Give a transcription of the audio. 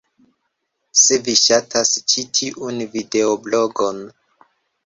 Se vi ŝatas ĉi tiun videoblogon